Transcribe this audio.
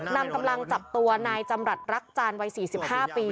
นำกำลังจับตัวนายจำรัฐรักจานวัย๔๕ปี